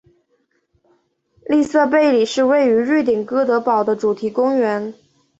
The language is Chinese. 利瑟贝里是位于瑞典哥德堡的主题公园。